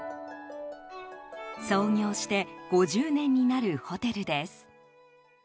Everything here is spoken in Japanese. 創業して５０年になるホテルです。